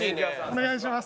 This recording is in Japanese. お願いします。